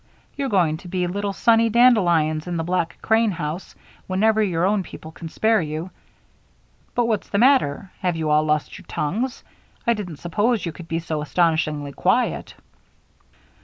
You're going to be little sunny Dandelions in the Black Crane house whenever your own people can spare you. But what's the matter? Have you all lost your tongues? I didn't suppose you could be so astonishingly quiet."